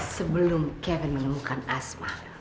sebelum kevin menemukanmu